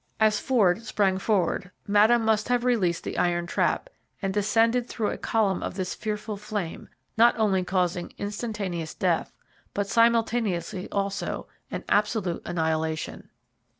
As Ford sprang forward Madame must have released the iron trap and descended through a column of this fearful flame, not only causing instantaneous death, but simultaneously also an absolute annihilation.